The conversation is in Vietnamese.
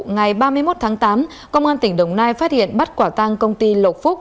ngày ba mươi một tháng tám công an tỉnh đồng nai phát hiện bắt quả tang công ty lộc phúc